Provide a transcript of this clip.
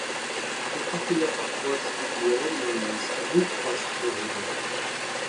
Compartilhar pacotes de idiomas é muito fácil com o robô.